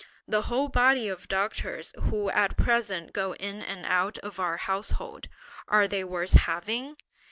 The whole body of doctors who at present go in and out of our household, are they worth having?